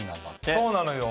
そうなのよ